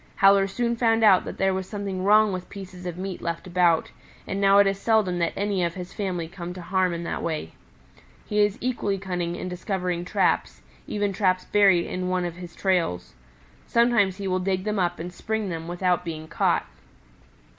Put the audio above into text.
Howler soon found out that there was something wrong with pieces of meat left about, and now it is seldom that any of his family come to harm in that way. He is equally cunning in discovering traps, even traps buried in one of his trails. Sometimes he will dig them up and spring them without being caught.